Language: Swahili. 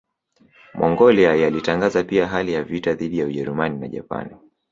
Mongolia yalitangaza pia hali ya vita dhidi ya Ujerumani na Japani